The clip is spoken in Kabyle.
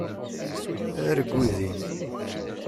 Argu din!